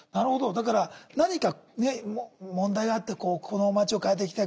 だから何かね問題があってこの町を変えていきたい